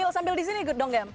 sambil disini dong gem